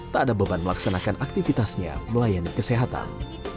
tak ada beban melaksanakan aktivitasnya melayani kesehatan